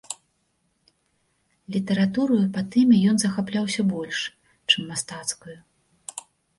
Літаратураю па тэме ён захапляўся больш, чым мастацкаю.